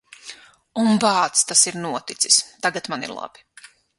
Un, bāc, tas ir noticis. Tagad man ir labi.